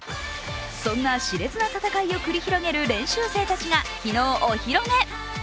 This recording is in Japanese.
そんなしれつな戦いを繰り広げる練習生たちが昨日、お披露目。